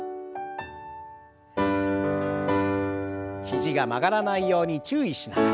肘が曲がらないように注意しながら。